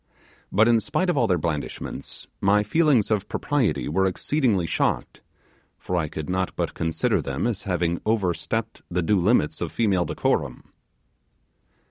But in spite of all their blandishments, my feelings of propriety were exceedingly shocked, for I could but consider them as having overstepped the due limits of female decorum.